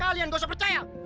kalian gak usah percaya